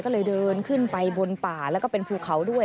ก็เลยเดินขึ้นไปบนป่าแล้วก็เป็นภูเขาด้วย